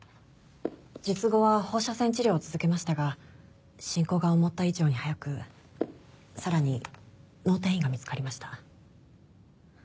術後は放射線治療を続けましたが進行が思った以上に早くさらに脳転移が見つかりました。